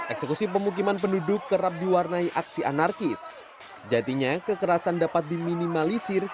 eksekusi pemukiman penduduk kerap diwarnai aksi anarkis sejatinya kekerasan dapat diminimalisir